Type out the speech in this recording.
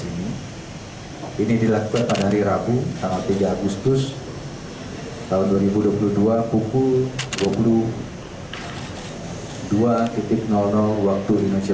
ini dilakukan pada hari rabu tanggal tiga agustus tahun dua ribu dua puluh dua pukul dua puluh dua waktu indonesia